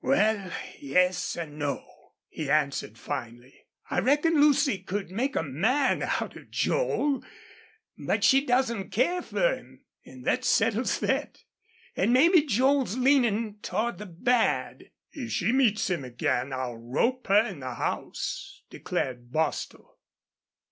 "Wal, Yes an' no," he answered, finally. "I reckon Lucy could make a man out of Joel. But she doesn't care fer him, an' thet settles thet.... An' maybe Joel's leanin' toward the bad." "If she meets him again I'll rope her in the house," declared Bostil.